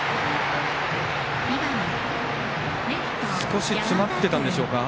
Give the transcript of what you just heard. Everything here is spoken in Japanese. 少し詰まってたんでしょうか。